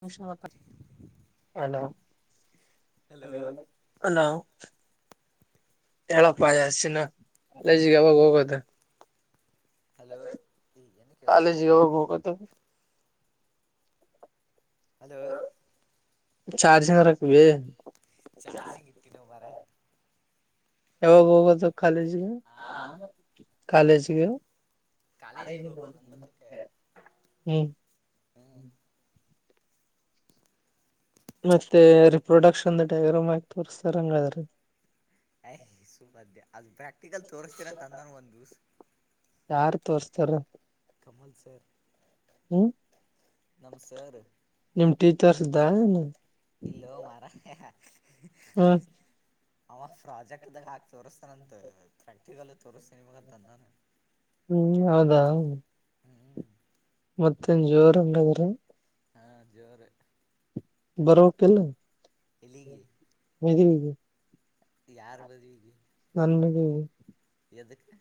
ನಿಮಷ ಮಾತ್ರ hello hello [unintelligible] hello ಎಳ ಪ ಆಸಿನ ಕಾಲೇಜಿಗೆ ಯಾವಾಗ ಹೋಗದು ಹಲೋ ಏನು ಕೆಸಲ್ದು ಕಾಲೇಜಿಗೆ ಯಾವಾಗ ಹೋಗದು ಹಲೋ ಚಾರ್ ಜಿಂದ ರಕಿವೆ ಚಾರ್ಜಿಂಗ್ ಇಟ್ಟಿನ ಮರ ಎವಾಗಾಗದು ಕಾಲಿಜಿಗೆ ಹಾ ಕಾಲೇಜಿಗೆ ಕಾಲೇಜಿಗೆ ಹೋಗುದು ಒಂಬತ್ತುಕ್ಕೆ ಹ್ಮ್ ಹ್ಮ್ ಮತ್ತೆ ರರಿಪ್ರೊಡಕ್ಷನ್ ದ ಟ್ಯಗರ ಮ್ಯಾಕ್ ತೋರ್ಸ್ತಾರ ಹಂಗಾದ್ರೀ ಯ್ ಸು ಮಧ್ಯ ಅದು ಪ್ರಾಕ್ಟಿಕಲ್ ತೋರಿಸಸ್ತೀರ ಅಂದಾನ ಒಂದ್ ದಿವಸ ಯಾರ್ ತೋರ್ಸ್ತಾರ ಕಮಲ್ ಸರ್ ಹ್ಮ್ ನಮ್ಮ ಸರ್ ಟೀಚರ್ಸ್ದಾ ಇಲ್ಲೋ ಮಾರ ಅವಾಗ ಪ್ರಾಜೆಕ್ಟ್ದಾಗ ಹಾಕ್ ತೋರಿಸತಾನಂತ ಪ್ರಾಕ್ಟಿಕಲ್ ತೋರಿಸಸ್ತೇನಿ ಮಾಗ ತಂದಾನ ಹ್ಮ್ ಹೌದಾ ಹ್ಮ್ ಮತ್ತೆ ಜೋರಂಗಗರ ಹಾ ಜೋರ ಬರ್ಬೇಕಿಲ್ಲ ಎಲ್ಲಿಗೆ ಹಿ ಯಾರ ಬದುವಿಗೆ ನನ್ಗೆ ಎದಕ್ಕೆ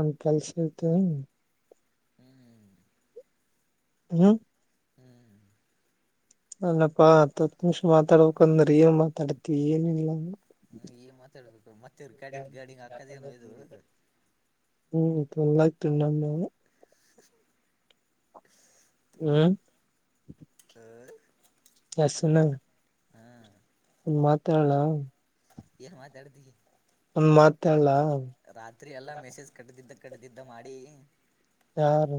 ಒಂದ ಕೆಲ್ಸ ಇರ್ತ ಹ್ಮ್ ಹ್ಮ್ ಹ್ಮ್ ಅಲ್ಲಪ್ಪಾ ಹತ್ ನಿಮಿಷ ಮಾತಾಡ್ಬೇಕಕ್ಂದ್ರ ಏನ್ ಮಾತಾಡ್ತಿವಿ ಏನಿಲ್ಲ ಹ್ಮ ಈ ಮಾತಾಡ್ಬೇಕು ಮತ್ತೆವರು ಗಡಿಂಗ್ ಗಡಿಂಗ್ ಅಕ್ಕದೇನು ಇಯ ತೊಳ್ಳಾಯತ್ನ್ನ ನ [unintelligible] [inaudible] ಹ್ಮ್ ಹ ಅಣ್ಣಾಗ ಹಾ ಮಾತಾಡಣ ಏನ್ ಮಾತಾಡ್ತ ಒಂದ್ ಮಾತ ಅಲ್ಲ ರಾತ್ರಿ ಎಲ್ಲಾ ಮೆಸೇಜ್ ಕಟ್ಟದಿದ್ದ ಕಡದಿದ್ದ ಮಾಡಿ ಯಾರು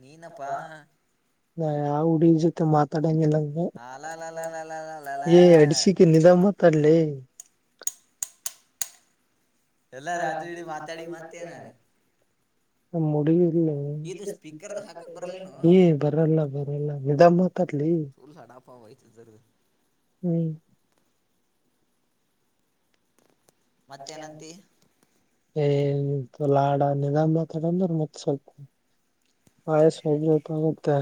ನೀನಪ್ಪಾ ನ ಆಡಿ ಜೊತೆ ಮಾತಾಡಿಲ್ಲ ಅಲಲಲಲಲಲಲ ಏ ಅಡ್ಸಿಕ ನಿಧ ಮಾತಾಡ್ಲಿ ಎಲ್ಲ ರತ್್ರರಿ ಇಡೀ ಮಾತಾಡಿ ಮತ್ತೇನ ಮುಡ ಇದು ಹ ಸ್ಪೀಕರ್ದ ಹಾಕಕ್ ಬರ್ಲೇನು ಹಏ ಬರಲ್ಲ ಬರ ನಿಮ್ಮ ತುಲ್ಸಡಪಾವಯತ ಜ ಹ ಮತ್ತೇನಂತ ಏ ಇ ಲಾಡ ನಿಗಾ ಮಾತಾಡಂದ್ರ ಮತ್ತತ್ ಸ್ವಲ್ಪ ಆಯವಪ ಜೊತೆ ಆಗುತ್ತೆ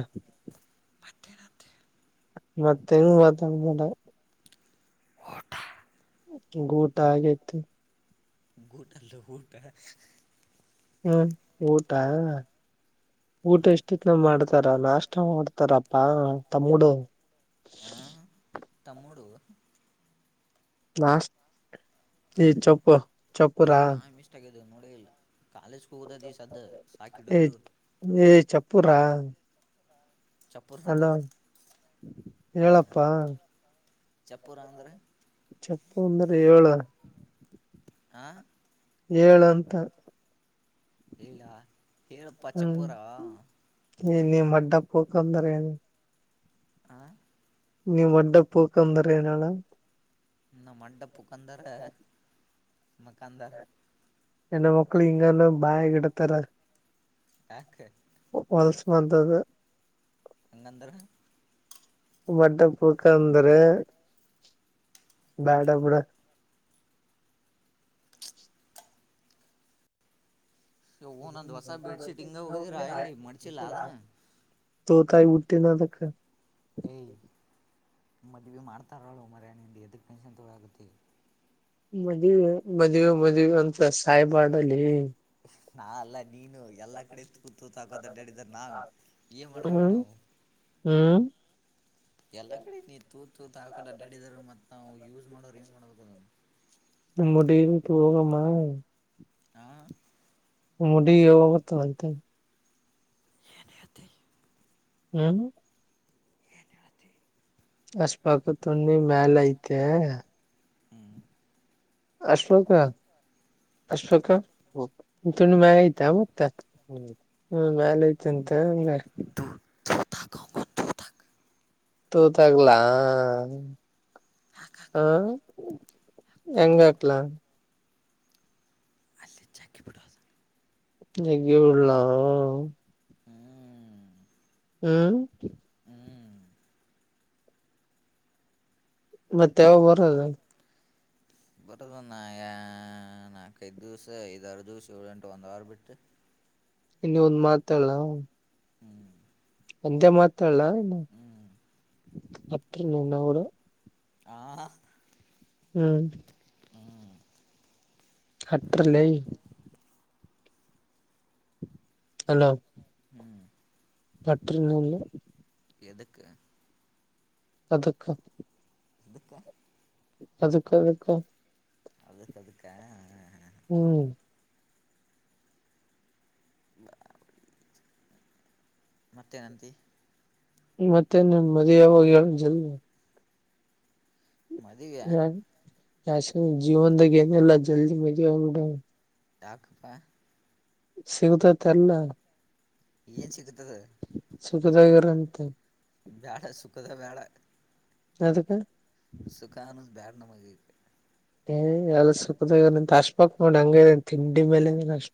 ಬಠೆ ನತ್ತ ಮತ್ತೆ ಹೆಂಗ್ ಮಾತಂಗಬೇಡ ಊಟ ಉಟಾ ಆಗತಿ ಗುಟಲ್ಲ ಗಊಟ ಹ್ಮ್ ಊಟ ಊಟ ಎಷ್ಟತ್ನ ಮಾಡ್ತಾರ ನಾಷ್ಟ ಮಾಡ್ತಾರಪ್ಪಾ ತಮಡು ಹ ತಮುಡೂ ನಾ ಈ ಚಪ್ಪ ಚಪ್ಪರ ಇ ನನ್ನಡ ಇಲ್ಲ ಕಾಲಜ ಕೂದತಿ ಸ್ದ ಸಾಕಿಡವಿಡ ಹ ಹಲೋ ಹೇಳಪ್ಪಾ ಚಪ್ಪರ ಅಂದ್ರೆ ಚಪ್ಪ ಅಂದ್ರ ಏಳು ಆ ಏಳಂತ ಇಲ್ಲಾ ಹೇಳು ಹ್ಮ್ ಪಚ್ಚೆಪೂರ ಏ ನೀ ಅಡ್ಡಪ್ ಹಕಂದರ ಏನು ಹ ನೀವ ಒಡ್ಡ ಪೂಕ ಅಂದ್ರ ಏನಳ ಇ ಮಡಪುಖಂದರ ಮಕಾನದಾರ್ ಎ್ಣ ಮಕ್ಕಳು ಇಂಗಲ್ಲ ಬಾಯ ಕಡತರ ಆ ಒಂದಿದೆ ಅಂಗನ್ ದರಾ ಬಟ್ಟ ಪುಕ ಅಂದ್ರೆ ಬ್ಯಾಡ ಬಡ ಇ ನ ದೋಸಾ ಬೆಡ್ಶೀಟ್ ಇಂಗ ಆಲಿ ಮಚಿ ಲಾದ ತೋತಿ ಉೆ ನ ತಕ್ಕ ಏಯ ಮದ್ವಿ ಮಾಡ್ತಾರಳು ಮರ್ಯಿ ಎದಕ್ ಟೆನ್ಷನ್ ತೊಳ ಆಗುತ್ತೆ ಮದುವೆ ಮದ್ವೆೆ ಮದ್ ಅಂತ ಸಾಯ್ಬಾಡಲ್ಲಿ ನಾ ಅಲ್ಲ ನೀನು ಎಲ್ಲಾ ಕಡೆ ತೂತ್ ಹಾಕೋ ಅಡ್ಡಾಡಿದಾರ ನಾ ಏ ಮಾಡ್ಬೇಕು ಹ್ಮ್ ನಾವು ಹ್ಮ್ ಎಲ್ಲಾ ಕಡೆ ನೀ ತೂ ತೂತ್ ಹಾಕೋ ಅಡ್ಡಾಡಿದಾರ ಮತ್ತ ನಾವು ಯೂಸ್ ಮಾಡೋರು ಏನ್ ಮಾಡಬೇಕ ಅದ ನಮ್ಮಡ ಹೋಗಮ್ಮ ಹಾ ಮುಡಿಾಗತ್ತು ಅತ ಏನ್ ಹೇಳ್ತಿ ಹ್ಮ್ ಅಷ್ಟಪಾಕ್ಕ ತಿ ಮೇಲೆಐತೆ ಹ್ಮ್ ಅಶ್ವಕ ಅಶ್ವಕ ತುಂಬ ಮ್ಯಾಲೖತಾ ಮತ್ತ ಹ ಮ್ಯಾಲೖತಂತ ಮ ಥಕ್ಕ ತಥಕ್ಕ ತೂತ ಆಗಲಾ ಹಾಕಾಕ ಹ ತೂತಾಕ ಎಂಗ್ಹಾಕ್ಲ ಅಲ್ಲಿ ಜಗ್ಗಿ ಬಿಡೋದು ನೆಗ್ಯು ಬಿಡ್ಲಾ ಹ್ಮ್ ಮತ್ತ್ಯಾವಗ್ ಬರದು ಬರದಾ ನಾ ನಾಲ್ಕೈದು ದಿವ್ಸ ಐದಾರು ದಿವಸ ಹಳ ಉಂಟು ಒಂದ ವಾರ ಬಿಟ್ಟು ಇನ್ನ ಒಂದ್ ಮಾತ್ ಹೇಳ ಹ್ಮ್ ಅಂತೆ ಮತ್ ತಲ್ಲ ಏನ್ ಹ್ಮ್ ಅತ್ತಿ ನನ್ನವರು ಆ ಹ್ಮ್ ಹ್ಮ್ ಹತ್ರಲ್ಲೖ ಹಲೋ ಹ್ಮ್ ಪಟ್ಟರಿನಲ್ಲಿ ಎದುಕ್ಕ ಅದಕ್ಕ [inaudible] ಅದಕ್ಕದಕ್ಕ ಅದಕ್ಕೇ ಹ್ಮ್ [inaudible] ಮತ್ತೇನಂತಿ ಮತ್ತೆ ನಿಮ್ ಮದ್ವ್ ಯಾವಾಗ ಹೇಳ್ ಜಲ್ ಮದುವ್ಯ ಯಾಶ್ವಿ ಜೀವನ್ದಾಗ ಏನೆಲ್ಲಾ ಜಲ್ದಿ ಮದುವೆಯಾಗ್ಬಿಡ ಯಾಕಪ್ಪ ಸಿಗತೈತಲ್ಲ ಏನ್ ಸಿಗತದ ಸುಖದಾಗಿರಂತೆ ಬ್ಯಾಡ ಸುಖದ ಅದಕ್ಕೆ ಸುಖಾ ನನಗ್ ಬ್ಯಾಡ್ ನಮಗೆ ಹ ಎಲ್ಲ ಸುಖದ್ ನಿ ಹಸ್ಫಾಕ್ ನೋಡ ಹಂಗ ಹಗ್ಯಾನ್ ತಿಂಡಿ ಮೇಲೆ ಷ್ಟ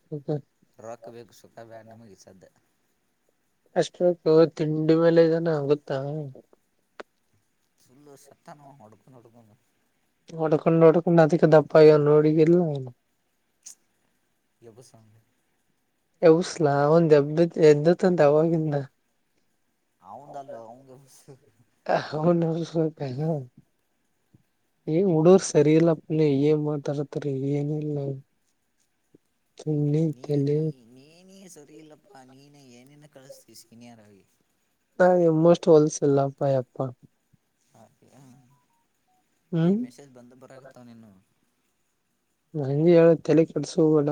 ರೊಕ್ ಬೇಕ್ ಸುಖ ಬೇಡ್ ನಮ್ಗ್ ಸದ್ಯ ಅಷ್ಟಬೇಕ್ ತಿಂಡಿ ಮೇಲೆ ಇದಾನ ಆಗುತ್ತಾ ಸುಳ್ಳು ಸತ್ತಾನವಾ ಒಡುಕಡುಕ ಹೊಡ್ಕೊಂಡ್ ಹೊಡ್ಕೊಂಡ್ ಅದಕ್ಕೆ ದಪ್ಪಾಗ್ಯಾನ್ ನೋಡಿಗಿಲ್ಲ ಏನು ಎಬ್ಬುಸೋನ ಯಸ್ಲಾ ಒಂದ ಎ್ದ ಎ್ದ ಇಂತವಾಗಿಂದ ಅವಂದಲ್ಲ ಅವಂಗ ಹೌನು [inaudible] ಏನ್ ಉಡೋರ್ ಸರಿ ಇಲ್ಲಪ್ಪನ ಏನ್ ಮಾತಾಡ್ತರಿ ಏನ ಇಲ್ಲ ತುಣ್ಣೀ ನೀ ತೇಲಿ ನೀ ನೀನೇ ಸರಿ ಇಲ್ಲಪ್ಪಾ ನೀನ ಏನೇನ ಕಳಸ್ತೀ ಸೀನಿಯರ್ ಆಗಿ ನಿಮ್ಮಷ್ಟು ಹೊಲಸಿಲ್ಲಪ್ಪ ಯಪ್ಪ ಆ ಇಲ್ಲಿ ಹ್ಮ್ ಮೆಸೇಜ್ ಬಂದ್ ಬರಾಗತ್ತ ನೀನು ಹಗೆ ಹೇಳ ತಲೆ ಕೆಡ್ಸ ಹಲ್ಲ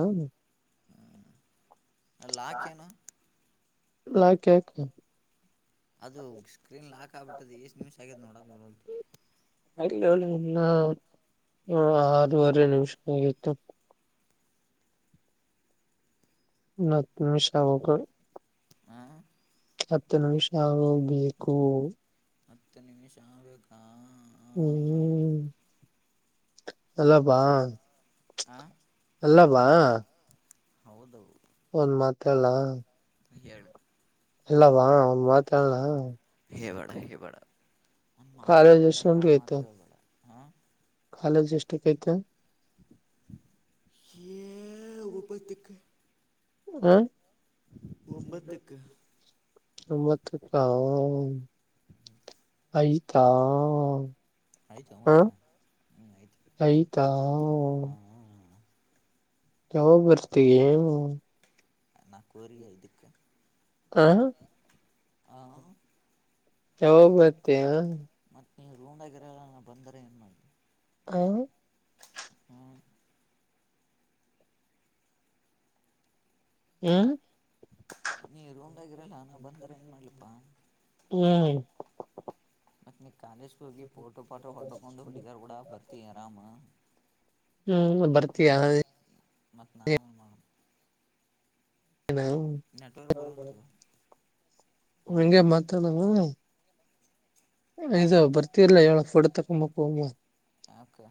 ಹ್ಮ ಲಾಕ್ ಏನು ಲಾಕ್ ಯಾಕ ಅದು ಸ್ಕ್ರೀನ್ ಲಾಕ್ ಆಗ್ಬಿಟ್ಟದೆ ಎಷ್ಟ್ ನಿಮಿಷ ಆಗಿದೆ್ ನೋಡಕ್ ಬರಲ್ತು ಅನ್ನ ಆರೂವರೆ ನಿಮಿಷಗಿತ್ತು ನಾ ಹತ್ತು ನಿಮಿಷ ಆಗ್ಬೇಕು ಹಾ ಹತ್ತು ನಿಮಿಷ ಆಗ್ಬೇಕು ಹತ್ತು ನಿಮಿಷ ಆಬೇಕಾ ಹ್ಮ್ ಅಲ್ಲಪ್ಪ ಹಾಂ ಎಲ್ಲಾಮಾ ಹೌದು ಒಂದ ಮಾತ ಹೇಳ ಹೇಳು ಇಲ್ಲವ ಒಂದು ಮಾತು ಹೇಳ ಗೆ ಬಡ ಒಂದ್ ಮಾತು ಹೇಳ್ಬೇಡ ಎರಡ್ಡು ಮಾತು ಹೇಳ್ಬೇಡ ಹಾ ಕಾಲೇಜು ಎಷ್ಟಾಕ್ ಐತಿ [inaudible] ಒಬತ್ತಕ ಹ ಒಂಬತ್ತುಕ ಒಂಬತ್ತಕ್ಕ ಐತಾ ಐತೊ ಮಾರಾಯ ಹ್ಮ್ಮ್ ಐತಿ ಹಾ ಆಯ್ತಾ ಹಾ ಹಾ ಯಾವಾಗ ಬರ್ತಿ ನ ಕೊರಿಯ ಇದಕ್ಕ ಹ ಹ ಯಾವಾಗ ಬರ್ತೀಯಾ ನೀ ರೂಮ್ದಾಗಿರಲ್ಲ ನಾ ಬಂದರ ಏನ್ ಮಾಡ್ಲಿ ಹ ಹ್ಮ ನೀ ರೂಮ್ದಾಗಿರಲ್ಲ ನಾ ಬಂದರೆ ಏನು ಮಾಡ್ಲಿಪ್ಪ ಹ್ಮ [inaudible] ಹೋಗಿ ಫೋಟೋ ಪಾಟೋ ಹೊಡ್ಬೇಕಂದು ಹುಡುಗಿಯರು ಕೂಡ ಬರ್ತೀವಿ ಆರಾಮ ಹ್ಮ್ ಬರ್ತಯ ಮತ್ತು ನಾವೇ ಮಾಡ ಬರಲ್ತದ ಹ ಹಾಂ ಹಂಗೆ ಮಾತಾಡವ ಹಾಂ ಹದ ಬರ್ತಿರ್ಲಾ ಹೇಳಫಡ್ ತ ಹಮ್ಮ ಪಮ ಓಕೆ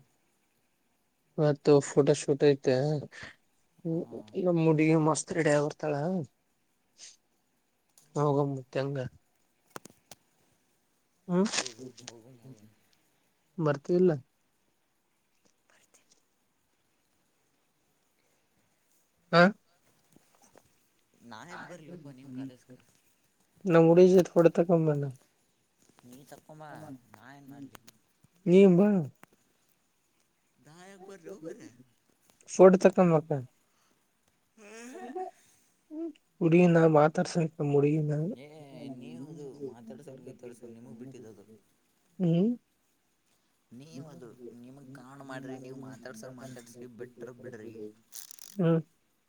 ಮತ್ ಫೋಟೋ ಶೂಟ್ ಐತೆ ಹಾಂ ನಮ್ಮ ಮುಡಿಗ ಮಸ್ತ್ ರೆಡಿ ಆಗರ್ತಾಳ ಹೋಗತ್ತ ಹಂಗ ಹ್ಮ ಹೋಗು ಹೋಗು ಹೋಗು ಬರ್ತಲ್ಲ ಹಾ ನಾ ಯಾಕೆ ಬರ್ಲಿಪ್ಪ ನಿಮ್ಮ ಕಾಲೇಜ್ಗೆ ನ ಮುಡಿಜ ಡೆ ತ ಕಂಬಲ್ಲ ನೀ ತಕೊಂಬ ನಾ ಏನು ಮಾಡಲಿ ನೀ ಬ ನಾ ಯಾಕ್ ಬರ್ಲಿ ಮಾರಾಯ ಫೋಡ್ ತಕ್ಕ ಮ ಹುಡಿ ನಾ ಮಾತಾಡ್ಸಬೇಕು ಏ ನೀವು ಅದು ಮಾತಾಡ್ಸರ್ ಗತಾಡ್ಸರ್ ನಿಮಗ್ ಬಿಟ್ಟಿದ್ದ ಅದು ಹ್ಮ್ ನಿಮಗೆ ಕಾಣ್ ಮಾಡ್ರಿ ನೀವು ಮಾತಾಡ್ಸೋರ್ [inaudible] ಮಾತಾಡ್ಸ್ರಿ ಬಿಟ್ರ ಬಿಡ್ರಿ [unintelligible]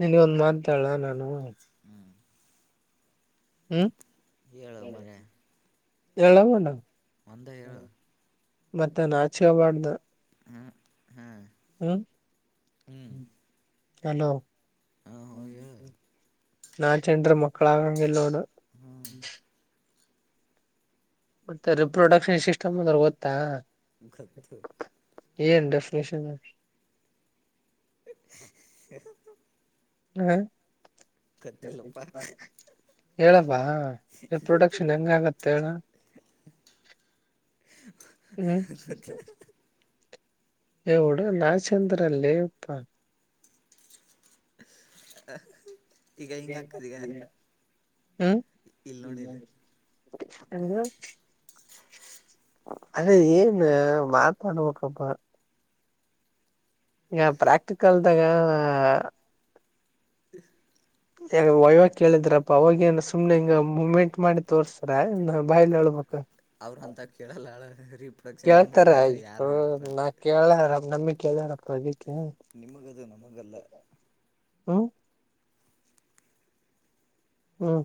ನಿನ್ಗೊಂದ್ ಮಾತಾಳ ನಾನು ಹ್ಮ್ ಏಳು ಮರಯ ಎಳಂಗಣ್ಣ ಒಂದ ಹೇಳೊ ಮತ್ತೆ ನಾಚೆಬಾರ್ದ ಹ್ಮ ಹ್ಮ್ ಹ್ಮ ಹಲೋ ಹಾಂ ಹೇಳು ಹ್ಮ ನಾ ಚಂದ್ರ ಮಕ್ಕಳ ಆಗಂಗಗೆಲ್ಲೋದು ಹ್ಞೂ ಹ್ಮ್ ಮತ್ತೆ ರಿಪ್ರೊಡಕ್ಷನ್ ಸಿಸ್ಟಮ್ ಅಂದ್ರೆ ಗೊತ್ತಾ ಕತ್ತುು ಏನು ಡೆಫಿನೇಷನ್ [inaudible] ಹ್ಮ ಗೊತ್ತಿಲ್ಲಪ್ಪ ಹೇಳಪ್ಪಾ ಪ್ರೊಡಕ್ಷನ್ ಗೊತ್ತಿಲ್ಲ ಹೆಂಗಗತ್ತೆ ಹೇಳ ಹ್ಮ್ ಎವುಡು ನಾ ಚಂದ್ರಲ್ಲಿ ಇಪ್ಪ [unintelligible] ಈಗ ಹಂಗ ಆಕ್ಕದಗ ಹ್ಮ್ ಎಂದು ಅದೇ ಏನ್ ಮಾತಾಡ್ಬೇಕಪ್ಪ. ಈಗ ಪ್ರಾಕ್ಟಿಕಲ್ದಾಗ ಹ ಯ ವೈವಾ ಕೇಳಿದ್ರಪ್ಪ ಅವಾಗೇನ ಸುಮ್ನೆ ಹಿಂಗ ಮೂಮೆಂಟ್ ಮಾಡಿ ತೋರ್ಸ್ತಾರ ಏನ್ ಬಾಯಲ್ ಹೇಳ್ಬೇಕ ಅವ್ರ ಅಂತ ಕೇಳಲ್ಲಾಳ ರೀಪ್ರೊಡಕ್ಷನ್ ಹೆಂಗ ಕೇಳ್ತಾರ ಅಕ್ಕದ ಯಾರು ಮಾಡತ್ ಬತ್ರಿ ನಮ್ಮಗ ಕೇಳ್ಯರಪ್ಪಾ ನಿಮಗ ಅದು ನಮಗಲ್ಲ ಹ್ಮ ಹ್ಮ್